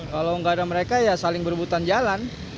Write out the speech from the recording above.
kalau tidak ada mereka ya saling berhubungan jalan